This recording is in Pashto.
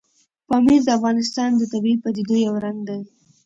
پامیر د افغانستان د طبیعي پدیدو یو رنګ دی.